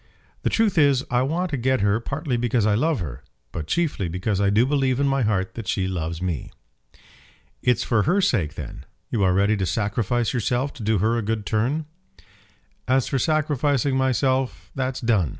"The truth is, I want to get her, partly because I love her; but chiefly because I do believe in my heart that she loves me." "It's for her sake then! You are ready to sacrifice yourself to do her a good turn." "As for sacrificing myself, that's done.